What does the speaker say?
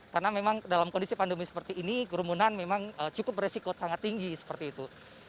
karena memang dalam kondisi pandemi seperti ini kerumunan memang cukup beresiko sangat tinggi seperti itu